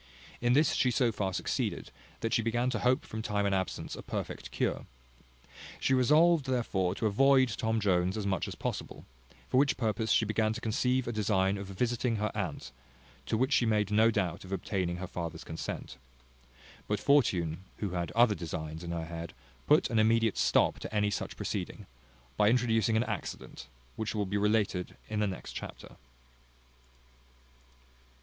In this she so far succeeded, that she began to hope from time and absence a perfect cure. She resolved therefore to avoid Tom Jones as much as possible; for which purpose she began to conceive a design of visiting her aunt, to which she made no doubt of obtaining her father's consent. But Fortune, who had other designs in her head, put an immediate stop to any such proceeding, by introducing an accident, which will be related in the next chapter.